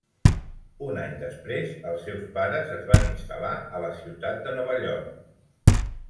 Un any després els seus pares es van instal·lar a la ciutat de Nova York.